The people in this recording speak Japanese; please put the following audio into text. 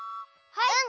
はい！